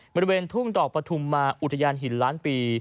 บริเวณทุ่งดอกปฐุมมาอุทยานหินล้านปี